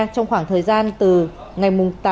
trong khoảng thời gian từ ngày tám